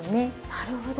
なるほど。